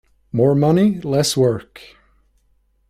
More money less work.